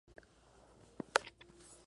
Se encuentran en Asia: el Pakistán.